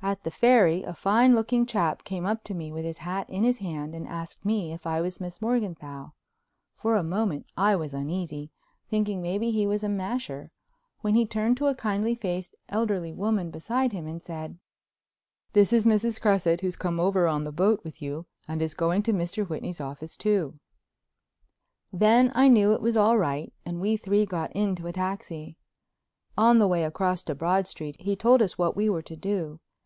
At the Ferry a fine looking chap came up to me, with his hat in his hand, and asked me if I was Miss Morganthau. For a moment I was uneasy, thinking maybe he was a masher, when he turned to a kind faced elderly woman beside him and said: "This is Mrs. Cresset, who's come over on the boat with you and is going to Mr. Whitney's office, too." Then I knew it was all right and we three got into a taxi. On the way across to Broad Street he told us what we were to do.